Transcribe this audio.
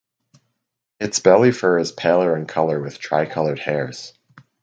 Its belly fur is paler in color with tricolored hairs.